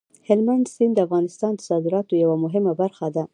هلمند سیند د افغانستان د صادراتو یوه مهمه برخه ده.